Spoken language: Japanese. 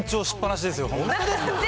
本当ですよ。